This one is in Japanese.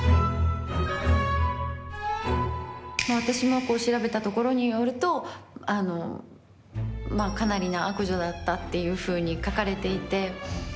私も調べたところによるとかなりの悪女だったっていうふうに書かれていて。